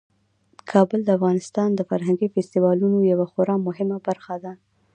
کابل د افغانستان د فرهنګي فستیوالونو یوه خورا مهمه برخه ده.